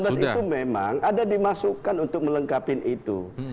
nah tanggal sembilan belas itu memang ada dimasukan untuk melengkapi itu